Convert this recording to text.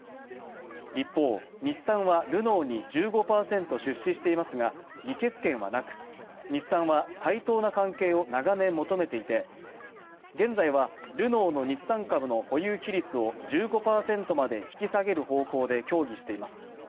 一方、日産はルノーに１５％出資していますが議決権はなく日産は対等な関係を長年求めていて現在はルノーの日産株の保有比率を１５％まで引き下げる方向で協議しています。